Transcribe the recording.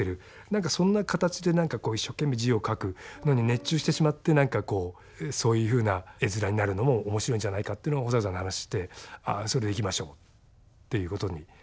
何かそんな形で何かこう一生懸命字を書くのに熱中してしまって何かこうそういうふうな絵面になるのも面白いんじゃないかというのを保坂さんと話してそれでいきましょうっていうことになったのかな